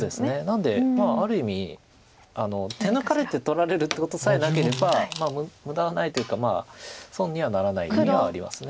なのである意味手抜かれて取られるってことさえなければ無駄はないというか損にはならない意味はあります。